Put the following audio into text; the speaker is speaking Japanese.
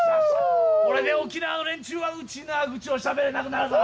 これで沖縄の連中はウチナーグチをしゃべれなくなるぞ。